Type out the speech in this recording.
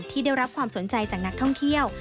ที่ได้รับความสนใจจากนักท่องเที่ยว